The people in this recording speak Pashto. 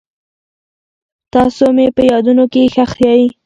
تاسو مې په یادونو کې ښخ یئ.